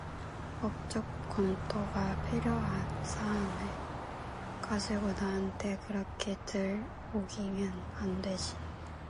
법적 검토가 필요한 사안을 가지고 나한테 그렇게 들먹이면 안 되지